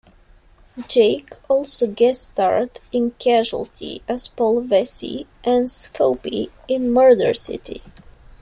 Jake also guest starred in "Casualty" as Paul Vessey and Scobie in "Murder City".